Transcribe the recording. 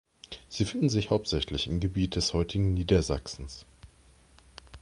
Sie finden sich hauptsächlich im Gebiet des heutigen Niedersachsens.